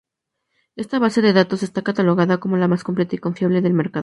Esta base de datos está catalogada como la más completa y confiable del mercado.